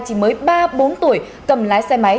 chỉ mới ba bốn tuổi cầm lái xe máy